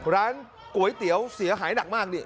ร้านก๋วยเตี๋ยวเสียหายหนักมากนี่